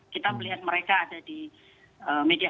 kita melihat mereka ada di media